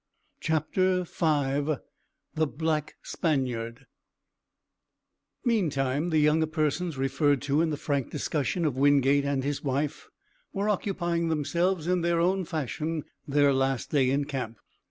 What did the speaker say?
CHAPTER V THE BLACK SPANIARD Meantime the younger persons referred to in the frank discussion of Wingate and his wife were occupying themselves in their own fashion their last day in camp.